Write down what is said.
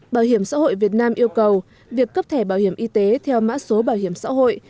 bảo hiểm xã hội việt nam yêu cầu việc cấp thẻ bảo hiểm y tế theo mã số bảo hiểm xã hội